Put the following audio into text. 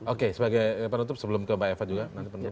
oke sebagai penutup sebelum ke mbak eva juga